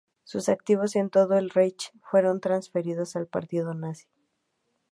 Sus activos en todo el "Reich" fueron transferidos al Partido Nazi.